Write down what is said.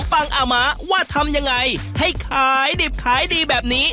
ฟังอาม้าว่าทำยังไงให้ขายดิบขายดีแบบนี้